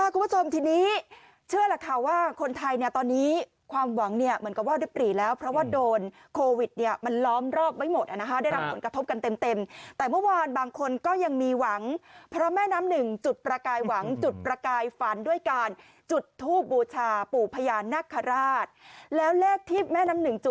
คุณผู้ชมทีนี้เชื่อล่ะค่ะว่าคนไทยเนี่ยตอนนี้ความหวังเนี่ยเหมือนกับว่าได้ปรีแล้วเพราะว่าโดนโควิดเนี่ยมันล้อมรอบไว้หมดนะคะได้รับผลกระทบกันเต็มแต่เมื่อวานบางคนก็ยังมีหวังเพราะแม่น้ำหนึ่งจุดประกายหวังจุดประกายฝันด้วยการจุดทูบบูชาปู่พญานาคาราชแล้วเลขที่แม่น้ำหนึ่งจ